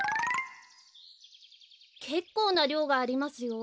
けっこうなりょうがありますよ。